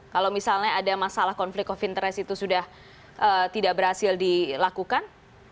kalau misalnya ada masalah konflik of interest itu sudah tidak berhasil dilakukan